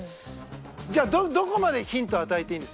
じゃあどこまでヒントを与えていいんですか？